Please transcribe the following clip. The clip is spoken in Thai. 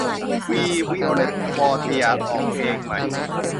วี วิโอเล็ต วอเตียร์ ออกเพลงใหม่